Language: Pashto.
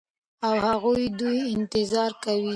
او هغوى ددوى انتظام كوي